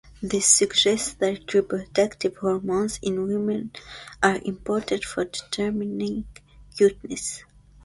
This suggests that reproductive hormones in women are important for determining cuteness.